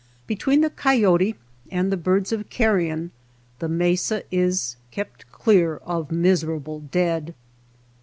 Between the coyote and the birds of carrion the mesa is kept clear of miserable dead.